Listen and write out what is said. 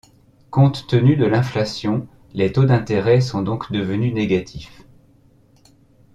Compte tenu de l'inflation, les taux d'intérêt sont donc devenus négatifs.